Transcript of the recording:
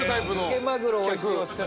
漬けマグロおいしいおすし屋